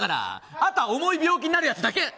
あとは重い病気になるやつだけ！